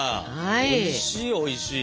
おいしいおいしい。